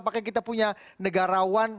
apakah kita punya negarawan